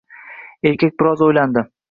Erkak biroz o‘ylandi